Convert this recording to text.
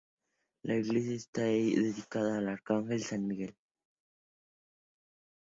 La iglesia está dedicada al Arcángel San Miguel.